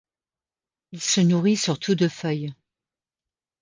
Il se nourrit surtout de feuilles.